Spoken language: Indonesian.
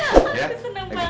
aku seneng banget